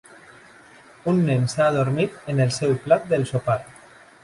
Un nen s'ha adormit en el seu plat del sopar.